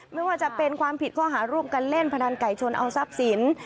ไม่ว่าจะเป็นความผิดข้อหาร่วมกันเล่นพนันไก่ชนเอาทรัพย์สิน